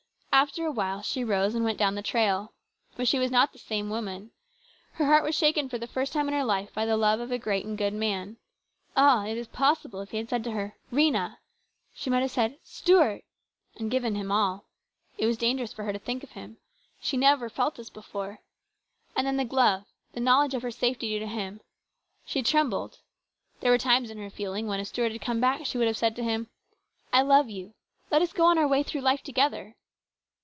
After a while she rose and went down the trail. But she was not the same woman. Her heart was shaken for the first time in her life by the love of a great and good man. Ah ! it is possible if he had said to her, " Rhena !" she might have said, " Stuart !" and given him all. It was dangerous for her to think of him. She felt as never before. And then the glove, the knowledge of her safety due to him ; she trembled. There were times in her feeling when if Stuart had come back she would have said to him, " I love you. Let us go on our way through life together